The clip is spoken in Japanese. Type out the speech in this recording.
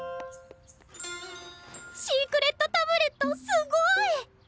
シークレットタブレットすごい！